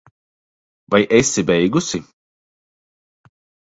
Vai esi beigusi?